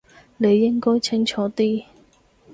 你應該清楚啲